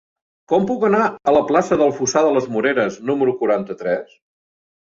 Com puc anar a la plaça del Fossar de les Moreres número quaranta-tres?